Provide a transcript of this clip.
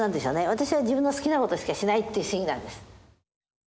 私は自分の好きなことしかしないっていう主義なんです。